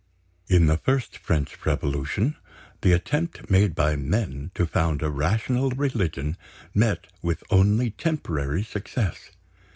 In the first French Revolution, the attempt made by men to found a rational religion met with only temporary success.